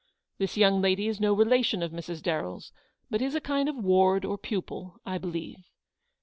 This young lady is no relation of Mrs. Darrell' s, but is a kind of ward or pupil, I believe.